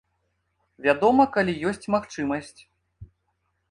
Вядома, калі ёсць магчымасць.